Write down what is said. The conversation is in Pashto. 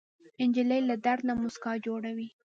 نجلۍ له درد نه موسکا جوړوي.